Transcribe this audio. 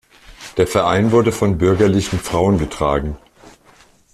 Der Verein wurde von bürgerlichen Frauen getragen.